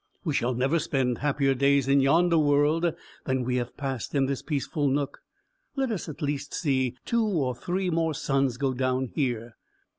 we shall never spend happier days in yonder world, than we have passed in this peaceful nook. Let us at least see two or three more suns go down here."